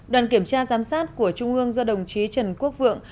đoàn kiểm tra giám sát của trung ương do đồng chí trần quốc vượng